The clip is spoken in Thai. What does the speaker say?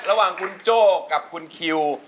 ระหว่างคุณโจ้กับคุณคิว